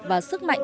và sức mạnh